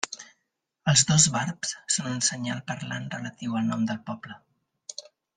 Els dos barbs són un senyal parlant relatiu al nom del poble.